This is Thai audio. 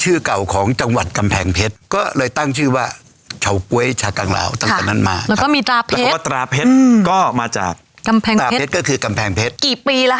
เฉากังลาวมันเป็นชื่อเก่าของจังหวัดกำแพงเพชร